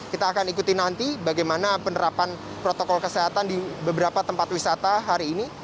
kita akan ikuti nanti bagaimana penerapan protokol kesehatan di beberapa tempat wisata hari ini